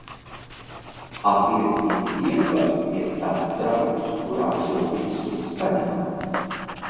Attiecību ietvars ir tas trauks, kurā šo visu saņemam.